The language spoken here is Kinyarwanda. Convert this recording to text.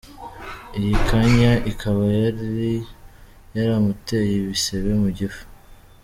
Iyi kanya ikaba yari yaramuteye ibisebe mu gifu.